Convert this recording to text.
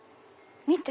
見て。